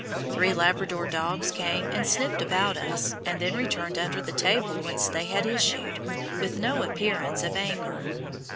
Three Labrador dogs came and sniffed about us, and then returned under the table whence they had issued, with no appearance of anger.